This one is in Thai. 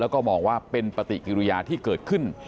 แล้วก็มองว่าเป็นปฏิกิริยาที่เกิดขึ้น